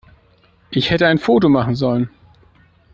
Ich hätte ein Foto machen sollen.